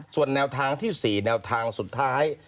ส่วนแนวทางที่๔แนวทางสุดท้าย